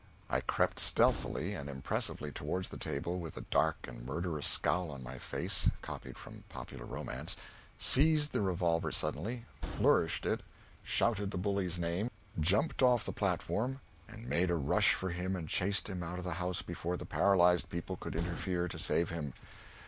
I crept stealthily and impressively toward the table, with a dark and murderous scowl on my face, copied from a popular romance, seized the revolver suddenly, flourished it, shouted the bully's name, jumped off the platform, and made a rush for him and chased him out of the house before the paralyzed people could interfere to save him.